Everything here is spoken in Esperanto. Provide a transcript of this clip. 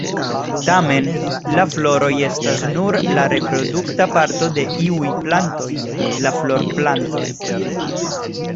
Tamen, la floroj estas nur la reprodukta parto el iuj plantoj: la florplantoj.